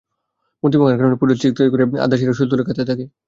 মূর্তি ভাঙ্গার কারণে পুরোহিত চিৎকার করে আর দাসীরা সুর তুলে কাঁদতে থাকে।